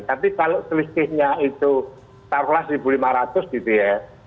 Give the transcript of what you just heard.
tapi kalau selisihnya itu taruhlah seribu lima ratus gitu ya